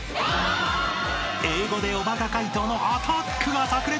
［英語でおバカ解答のアタックが炸裂］